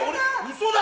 嘘だ！